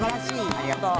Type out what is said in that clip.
ありがとう。